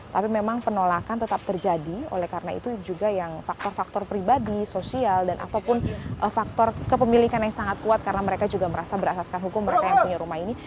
tapi memang penolakan tetap terjadi oleh karena itu juga yang faktor faktor pribadi sosial dan ataupun faktor kepemilikan yang sangat kuat karena mereka juga merasa berasaskan hukum mereka yang punya rumah ini